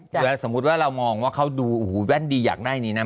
คือสมมุติว่าเรามองว่าเขาดูโอ้โหแว่นดีอยากได้นี้นะ